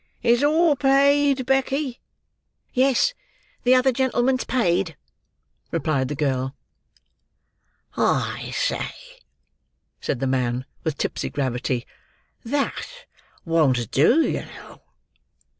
"Is all paid, Becky?" "Yes, the other gentleman's paid," replied the girl. "I say!" said the man, with tipsy gravity; "that won't do, you know."